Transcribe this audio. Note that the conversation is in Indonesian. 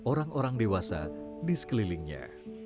orang orang dewasa di sekelilingnya